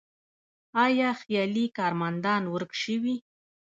آیا خیالي کارمندان ورک شوي؟